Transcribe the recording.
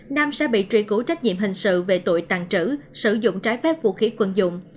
nam sẽ bị truy cứu trách nhiệm hình sự về tội tàn trữ sử dụng trái phép vũ khí quân dụng